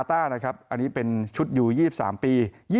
อันนี้เป็นชุดอยู่๒๓ปี